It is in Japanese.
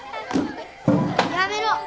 やめろ！